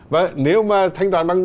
và nếu mà thanh toán